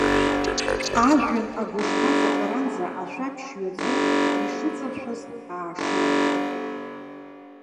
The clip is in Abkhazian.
Ажәҩан агәышԥҵаӷаранӡа ашәаԥшь ҩаӡо ишыҵаршәыз аашон.